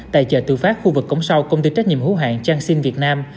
tài trợ tự phát khu vực cống sau công ty trách nhiệm hữu hạn trang sinh việt nam